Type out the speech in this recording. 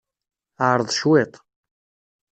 Ɛreḍ cwiṭ.